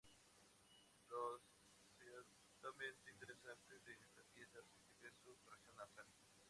Lo ciertamente interesante de esta pieza artística es su decoración nazarí.